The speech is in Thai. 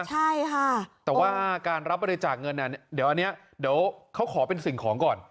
ใช่ค่ะแต่ว่าการรับบริจาคเงินเดี๋ยวอันนี้เดี๋ยวเขาขอเป็นสิ่งของก่อน